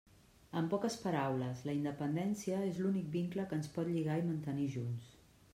En poques paraules, la independència és l'únic vincle que ens pot lligar i mantenir junts.